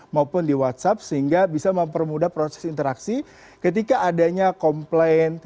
maupun di whatsapp sehingga bisa mempermudah proses interaksi ketika adanya komplain